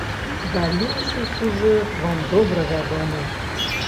Далейшы сюжэт вам добра вядомы.